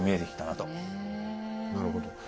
なるほど。